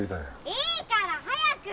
いいから早く！